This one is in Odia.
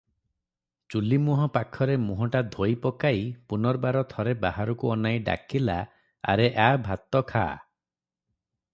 ଚୁଲିମୁହଁ ପାଖରେ ମୁହଁଟା ଧୋଇପକାଇ ପୁନର୍ବାର ଥରେ ବାହାରକୁ ଅନାଇ ଡାକିଲା, "ଆରେ ଆ, ଭାତ ଖାଆ ।"